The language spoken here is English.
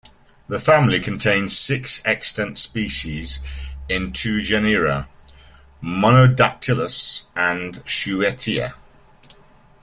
The family contains six extant species in two genera, "Monodactylus" and "Schuettea".